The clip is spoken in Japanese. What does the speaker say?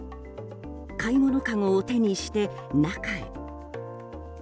買い物かごを手にして中へ。